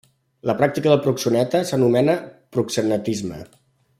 La pràctica del proxeneta s'anomena proxenetisme.